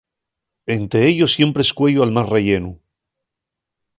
Ente ellos siempre escueyo al más rellenu.